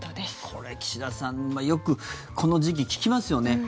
これ、岸田さんよくこの時期聞きますよね。